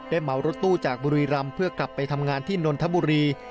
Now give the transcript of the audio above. เหมารถตู้จากบุรีรำเพื่อกลับไปทำงานที่นนทบุรี